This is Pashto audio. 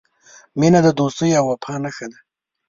• مینه د دوستۍ او وفا نښه ده.